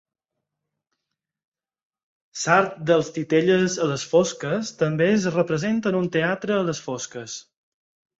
L'art dels titelles a les fosques també es representa en un teatre a les fosques.